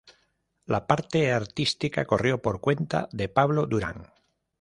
La parte artística corrió por cuenta de Pablo Durand.